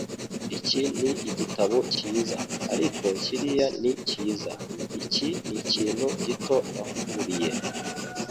Iki ni igitabo cyiza, ariko kiriya ni cyiza. Iki nikintu gito nakuguriye.